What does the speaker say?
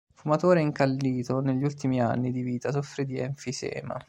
Fumatore incallito, negli ultimi anni di vita soffrì di enfisema.